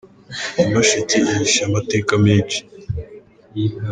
Nyamasheke ihishe amateka menshi